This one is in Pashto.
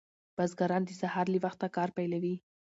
بزګران د سهار له وخته کار پیلوي.